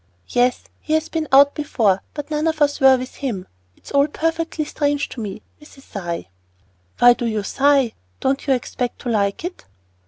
"Yes. He has been out before, but none of us were with him. It's all perfectly strange to me" with a sigh. "Why do you sigh? Don't you expect to like it?"